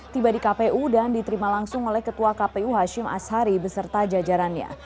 tiba di kpu dan diterima langsung oleh ketua kpu hashim ashari beserta jajarannya